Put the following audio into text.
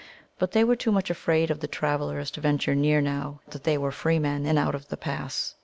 But they were too much afraid of the travellers to venture near now that they were free men and out of the pass.